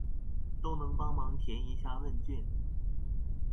都能幫忙填一下問卷